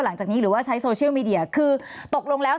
หลังจากนี้หรือว่าใช้โซเชียลมีเดียคือตกลงแล้ว